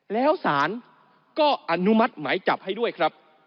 แล้วสารก็อนุมัติหมายจับให้ด้วยครับ